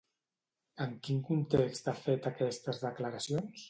En quin context ha fet aquestes declaracions?